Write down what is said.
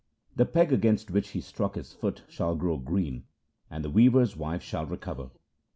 The peg against which he struck his foot shall grow green, and the weaver's wife shall recover.